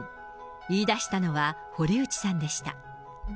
言いだしたのは堀内さんでした。